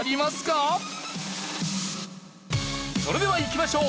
それではいきましょう！